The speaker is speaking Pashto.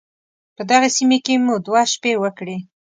په دغې سيمې کې مو دوه شپې وکړې.